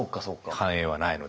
繁栄はないので。